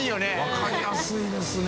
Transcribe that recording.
分かりやすいですね